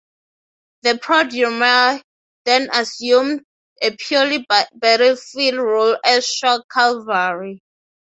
The "prodromoi" then assumed a purely battlefield role as shock cavalry.